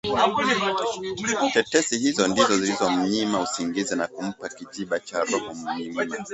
Tetesi hizo ndizo zilizomnyima usingizi na kumpa kijiba cha roho Mirima